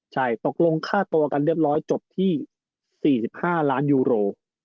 ใช่ตกลงค่าตัวกันเรียบร้อยจบที่๔๕ล้านยูโร